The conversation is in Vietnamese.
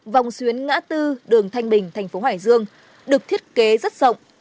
vòng xuyến ngã tư đường thanh bình tp hải dương được thiết kế rất rộng